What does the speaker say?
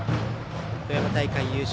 富山大会優勝